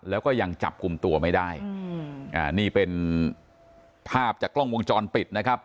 แล้วก็ยังจับกลุ่มตัวไม่ได้อืมอ่านี่เป็นภาพจากกล้องวงจรปิดนะครับ